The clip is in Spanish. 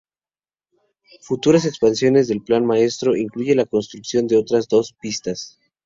Futuras expansiones del Plan Maestro incluye la construcción de otras dos pistas.